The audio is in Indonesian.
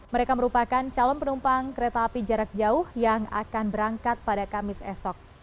mereka merupakan calon penumpang kereta api jarak jauh yang akan berangkat pada kamis esok